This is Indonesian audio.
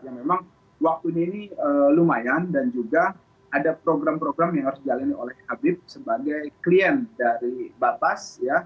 yang memang waktunya ini lumayan dan juga ada program program yang harus dijalani oleh habib sebagai klien dari batas